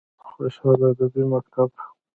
خوشحال ادبي مکتب: